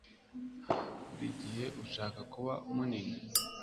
buri gihe ushaka kuba munini